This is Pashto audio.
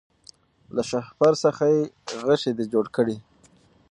له شهپر څخه یې غشی دی جوړ کړی